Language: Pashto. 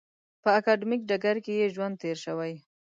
په اکاډمیک ډګر کې یې ژوند تېر شوی.